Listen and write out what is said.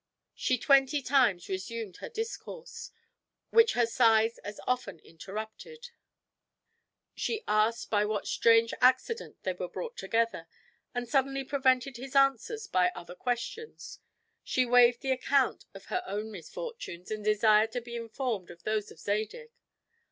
She twenty times resumed her discourse, which her sighs as often interrupted; she asked by what strange accident they were brought together, and suddenly prevented his answers by other questions; she waived the account of her own misfortunes, and desired to be informed of those of Zadig.